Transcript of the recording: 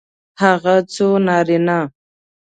هغه څو نارینه